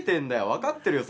分かってるよ。